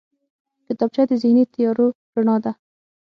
کتابچه د ذهني تیارو رڼا ده